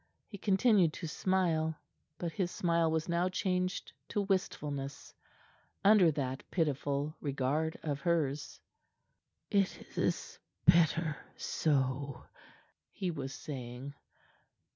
He continued to smile, but his smile was now changed to wistfulness under that pitiful regard of hers. "It is better so," he was saying.